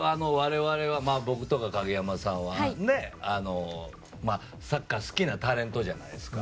僕とか影山さんはサッカー好きなタレントじゃないですか。